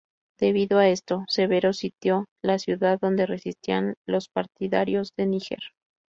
Debido a esto, Severo sitió la ciudad, donde resistían los partidarios de Níger.